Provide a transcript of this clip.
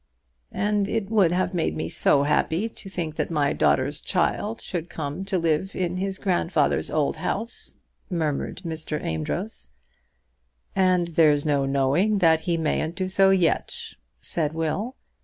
"And it would have made me so happy to think that my daughter's child should come to live in his grandfather's old house," murmured Mr. Amedroz. "And there's no knowing that he mayn't do so yet," said Will.